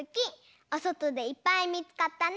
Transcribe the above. おそとでいっぱいみつかったね！